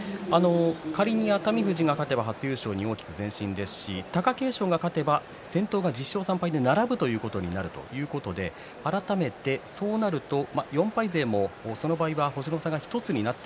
仮に熱海富士が勝てば初優勝に大きく前進ですし貴景勝が勝てば先頭が１０勝３敗で並ぶということで改めてそうなると４敗勢もその場合は星の差が１つになる